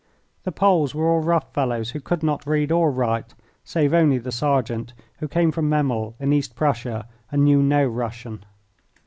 The Poles were all rough fellows who could not read or write, save only the sergeant, who came from Memel, in East Prussia, and knew no Russian.